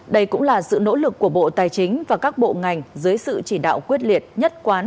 đây cũng là sự nỗ lực của bộ tài chính và các bộ ngành dưới sự chỉ đạo quyết liệt nhất quán